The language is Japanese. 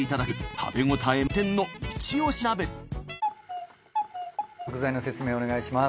食材の説明お願いします。